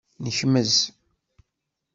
Nekmez.